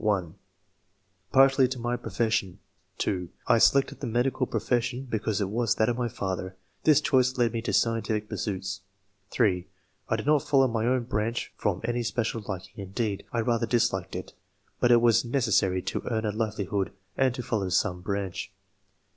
— (1) Partly to my profession. (2) I selected the medical profession because it was that of my father; this choice led me to scientific pursuits. (3) I did not Mow my own branch from any special liking — ^indeed, I rather disliked it, but it was necessary to earn a livelihood and to follow some branch.